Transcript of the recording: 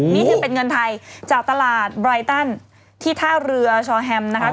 นี่ถือเป็นเงินไทยจากตลาดไบรตันที่ท่าเรือชอแฮมนะคะ